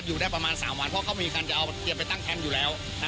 เพราะเขามีการเอาเกลียดไปตั้งแคมป์อยู่แล้ว